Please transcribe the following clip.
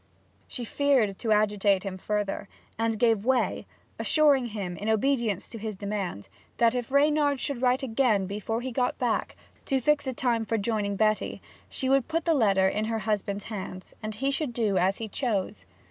She feared to agitate him further, and gave way, assuring him, in obedience to his demand, that if Reynard should write again before he got back, to fix a time for joining Betty, she would put the letter in her husband's hands, and he should do as he chose.